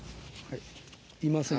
いません。